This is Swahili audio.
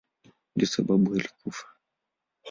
Ndiyo sababu alikufa.